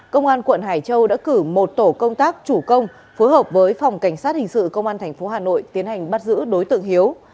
công an quận hải châu đã cử một tổ công tác chủ công phối hợp với phòng cảnh sát hình sự công an tp hà nội tiến hành bắt giữ đối tượng hiếu